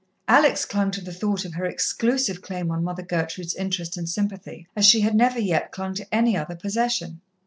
Alex clung to the thought of her exclusive claim on Mother Gertrude's interest and sympathy as she had never yet clung to any other possession.